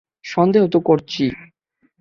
সন্দেহ তো করছি।